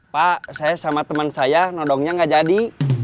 pak saya sama teman saya nodongnya nggak jadi